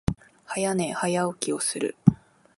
早寝、早起きをする。